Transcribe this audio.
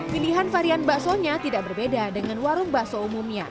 pilihan varian basonya tidak berbeda dengan warung baso umumnya